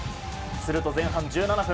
すると前半１７分。